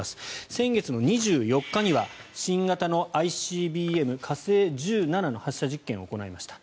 先月の２４日には新型のＩＣＢＭ、火星１７の発射実験を行いました。